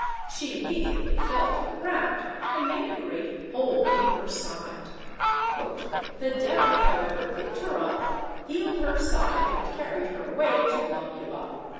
She immediately fell to the ground, and made a great hole in her side. "The devil, however, picked her up, healed her side, and carried her away to Blockula."